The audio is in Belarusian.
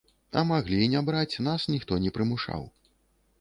А маглі і не браць, нас ніхто не прымушаў.